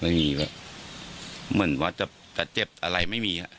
มันเหมือนว่าจะเจ็บอะไรไม่มีฮะ